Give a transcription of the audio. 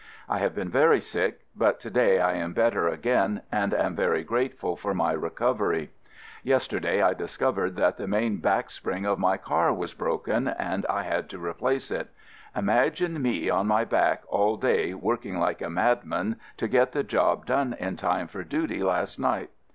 I have been very sick, but to day I am better again and am very grateful for my recov ery. Yesterday I discovered that the main backspring of my car was broken and I had to replace it. Imagine me on my back all day, working like a madman to get the job done in time for duty last night.